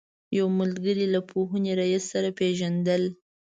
یو ملګري له پوهنې رئیس سره پېژندل.